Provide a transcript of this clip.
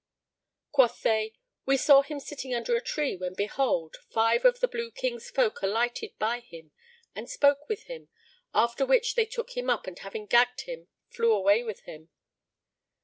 Quoth they, "We saw him sitting under a tree when behold, five of the Blue King's folk alighted by him and spoke with him, after which they took him up and having gagged him flew away with him."